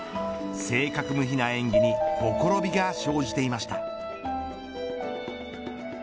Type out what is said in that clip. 正確無比な演技にほころびが生じていました。